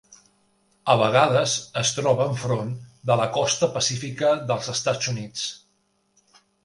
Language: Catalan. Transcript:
A vegades es troba enfront de la costa pacífica dels Estats Units.